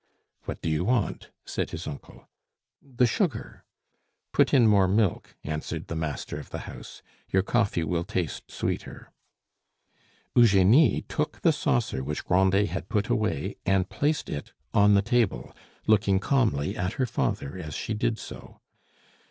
"What do you want?" said his uncle. "The sugar." "Put in more milk," answered the master of the house; "your coffee will taste sweeter." Eugenie took the saucer which Grandet had put away and placed it on the table, looking calmly at her father as she did so.